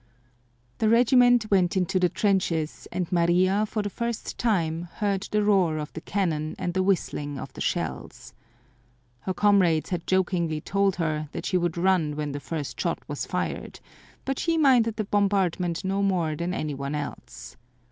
The regiment went into the trenches, and Maria, for the first time, heard the roar of the cannon and the whistling of the shells. Her comrades had jokingly told her that she would run when the first shot was fired, but she minded the bombardment no more than any one else.